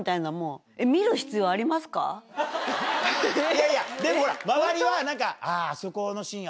いやいやでもほら周りは何かああそこのシーン